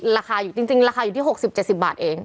ราคาอยู่จริงราคาอยู่ที่๖๐๗๐บาทเอง